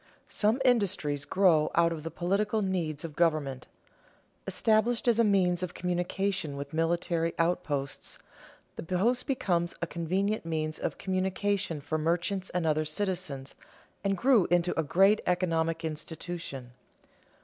_ Some industries grow out of the political needs of government. Established as a means of communication with military outposts, the post became a convenient means of communication for merchants and other citizens and grew into a great economic institution.